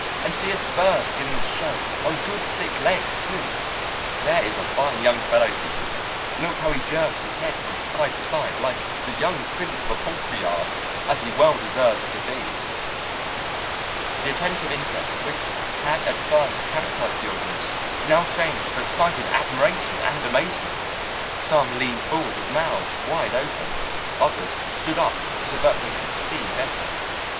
And see his spurs beginning to show on good thick legs, too. There is a fine young fellow for you! Look how he jerks his head from side to side, like the young prince of a poultry yard, as he well deserves to be!" The attentive interest which had at first characterized the audience now changed to excited admiration and amazement. Some leaned forward with mouths wide open. Others stood up so that they could see better.